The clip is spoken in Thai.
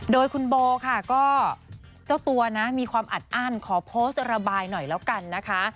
โดยคุณโบค่ะก็เจ้าตัวนะมีความอัดอั้นขอโพสต์ระบายหน่อยแล้วกันนะคะ